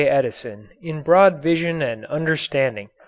Edison in broad vision and understanding.